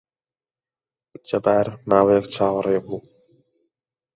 جەبار ماوەیەک چاوەڕێ بوو.